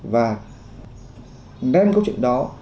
và đem câu chuyện đó